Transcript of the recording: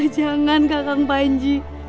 jangan kakang panji